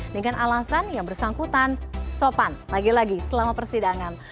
dengan alasan yang bersangkutan sopan lagi lagi selama persidangan